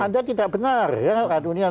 anda tidak benar ya radu ini